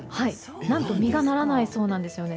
何と実がならないそうなんです。